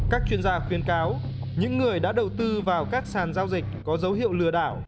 các chuyên gia khuyên cáo những người đã đầu tư vào các sàn giao dịch có dấu hiệu lừa đảo